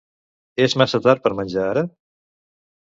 És massa tard per menjar ara?